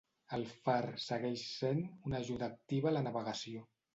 El Far segueix sent una ajuda activa a la navegació.